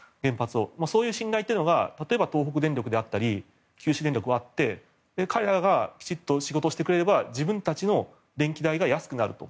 そういう信頼というのが例えば東北電力であったり九州電力はあって彼らがきちっと仕事をしてくれれば自分たちの電気代が安くなると。